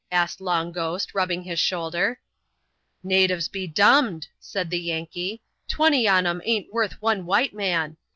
asked Long Ghost, rubbing his shoulder, "Natives be dumned!" said the Yankee, " tw^ivt^ qw '^\a. ain't worth one white man.